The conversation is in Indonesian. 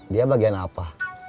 dia bagian apa